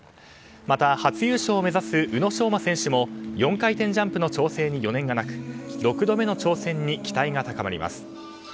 また、初優勝を目指す宇野昌磨選手も４回転ジャンプの調整に余念がなく６度目の挑戦に期待が高まります。